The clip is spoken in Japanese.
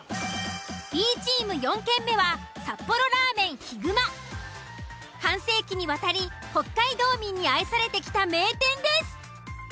Ｂチーム４軒目は半世紀にわたり北海道民に愛されてきた名店です！